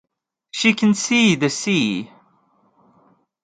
She can see the sea.